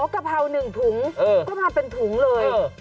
กะเพรา๑ถุงก็มาเป็นถุงเลย